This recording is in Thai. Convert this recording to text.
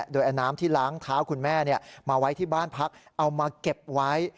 โดยเอาน้ำที่ล้างเท้าคุณแม่มาไว้ที่บ้านพักเอามาเก็บไว้